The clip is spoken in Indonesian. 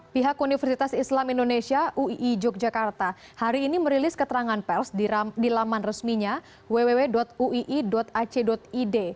pihak universitas islam indonesia uii yogyakarta hari ini merilis keterangan pers di laman resminya www uii ac id